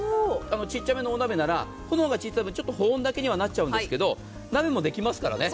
ちっちゃめのお鍋なら炎が小さいので保温だけになっちゃうんですが鍋もできますからね。